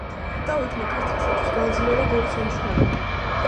დავითმა ქართლისათვის გააძლიერა გორის მნიშვნელობა.